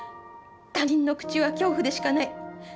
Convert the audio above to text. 他人の口は恐怖でしかない。